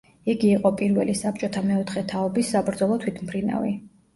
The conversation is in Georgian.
იგი იყო პირველი საბჭოთა მეოთხე თაობის საბრძოლო თვითმფრინავი.